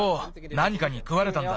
なにかにくわれたんだ。